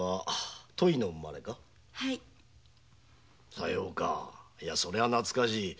さようかそれは懐かしい。